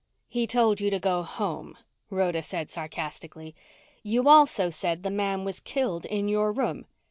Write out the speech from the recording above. "He told you to go home," Rhoda said sarcastically. "You also said the man was killed in your room.